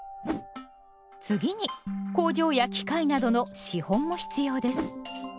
次に工場や機械などの資本も必要です。